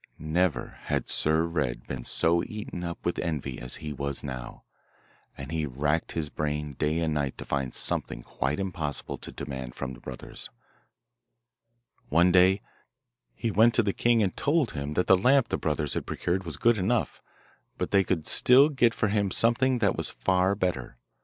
Never had Sir Red been so eaten up with envy as he was now, and he racked his brain day and night to find something quite impossible to demand from the brothers. One day he went to the king and told him that the lamp the brothers had procured was good enough, but they could still get for him something that was far better.